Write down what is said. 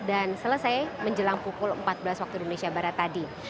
dan selesai menjelang pukul empat belas waktu indonesia barat tadi